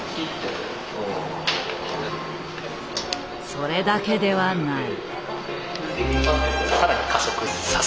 それだけではない。